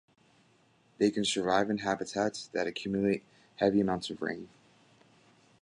They can survive in habitats that accumulate heavy amounts of rain.